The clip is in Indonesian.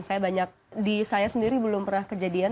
saya banyak di saya sendiri belum pernah kejadian